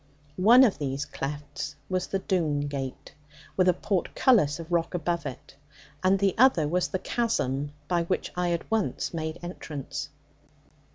One of these clefts was the Doone gate, with a portcullis of rock above it, and the other was the chasm by which I had once made entrance.